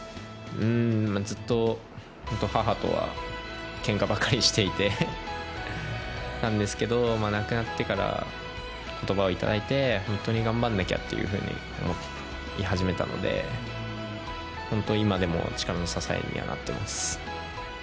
ずっと母とはけんかばかりしていてなんですけど亡くなってから、言葉をいただいて、本当に頑張らなきゃというふうに思い始めたので本当、今でも力の支えになっています。